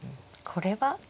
これは。